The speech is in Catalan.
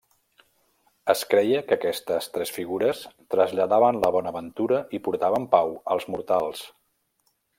Es creia que aquestes tres figures traslladaven la bonaventura i portaven pau als mortals.